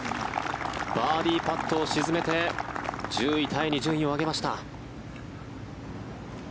バーディーパットを沈めて１０位タイに順位を上げました。